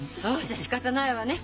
じゃあしかたないわね！